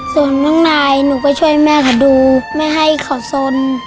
ส่วนน้องนายหนูก็ช่วยแม่เขาดูไม่ให้เขาสน